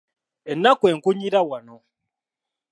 Ennaku enkunyira wano.